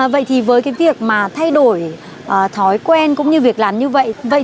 vậy thì với việc thay đổi thói quen cũng như việc làm như vậy